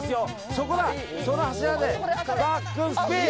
そこだ、その柱でバックスピン！